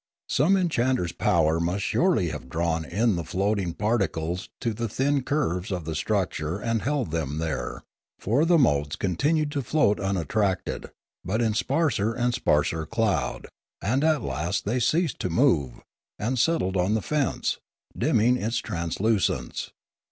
Some enchanter's power must surely have drawn in the float ing particles to the thin curves of the structure and held them there; for the motes continued to float un attracted, but in sparse and sparser cloud ; and at last they ceased to move, and settled on the fence, dimming its transl licence.